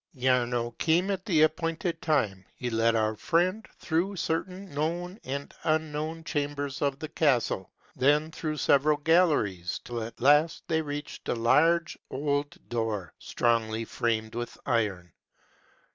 Jarno came at the appointed hour : he led our friend through certain known and unknown chambers of the castle, then through several galleries ; till at last they reached a large old door, strongly framed with iron.